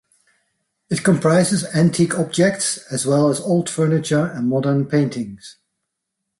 It comprises antique objects as well as old furniture and modern paintings.